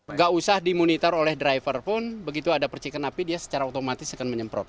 nggak usah dimonitor oleh driver pun begitu ada percikan api dia secara otomatis akan menyemprot